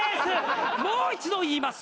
もう一度言います。